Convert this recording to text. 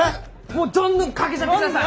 もうどんどんかけちゃってください！